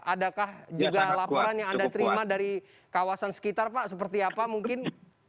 adakah juga laporan yang anda terima dari kawasan sekitar pak seperti apa mungkin